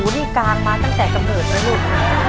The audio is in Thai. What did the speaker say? นี่กางมาตั้งแต่กำเนิดเลยลูก